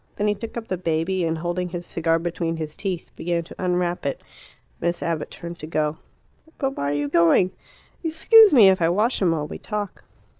Then he took up the baby, and, holding his cigar between his teeth, began to unwrap it. Miss Abbott turned to go. "But why are you going? Excuse me if I wash him while we talk."